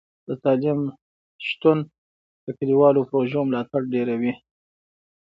د تعلیم شتون د کلیوالو پروژو ملاتړ ډیروي.